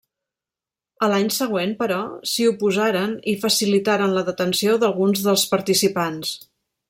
A l'any següent, però, s'hi oposaren i facilitaren la detenció d'alguns dels participants.